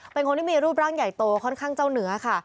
เป็นคนที่มีรูปร่างใหญ่โตค่อนข้างเจ้าเหนือค่ะ